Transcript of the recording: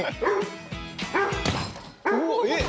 うおっえっ！